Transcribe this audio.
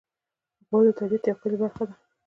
غوا د طبیعت یوه ښکلی برخه ده.